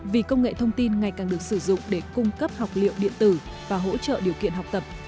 vì công nghệ thông tin ngày càng được sử dụng để cung cấp học liệu điện tử và hỗ trợ điều kiện học tập